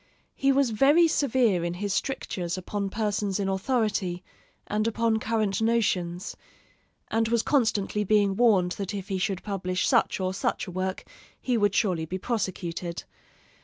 He was very severe in his strictures upon persons in authority, and upon current notions; and was constantly being warned that if he should publish such or such a work he would surely be prosecuted.